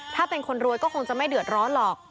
ถ้าเป็นคนรวยก็คงจะไม่เดือดร้อนหรอก